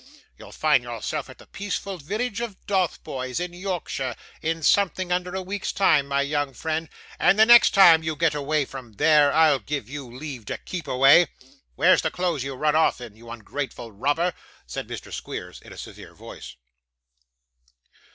You'll find yourself at the peaceful village of Dotheboys, in Yorkshire, in something under a week's time, my young friend; and the next time you get away from there, I give you leave to keep away. Where's the clothes you run off in, you ungrateful robber?' said Mr. Squeers, in a severe voice.